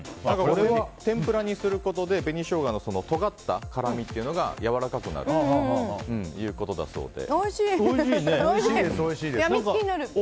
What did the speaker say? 天ぷらにすることで紅ショウガのとがった辛みがやわらかくなるということだそうで。